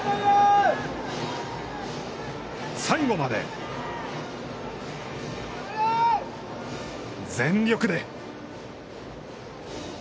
最後まで全力で。